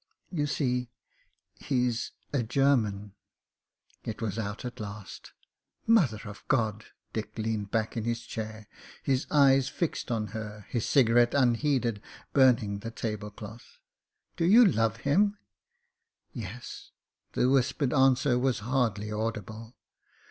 "You see, he's a German !" It was out at last. "Mother of God!" Dick leaned back in his chair, his eyes fixed on her, his cigarette unheeded, burning the tablecloth. "Do you love him?" "Yes." The whispered answer was hardly audible.